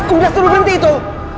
udah suruh ganti itu